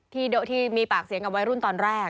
ที่โดะที่มีปากเสียงเอาไว้รุ่นตอนแรก